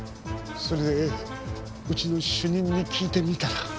それでうちの主任に聞いてみたら。